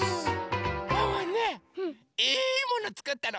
ワンワンねいいものつくったの！